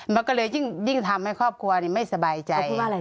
มันก็เลยยิ่งทำให้ครอบครัวไม่สบายใจ